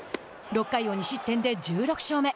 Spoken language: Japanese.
６回を２失点で１６勝目。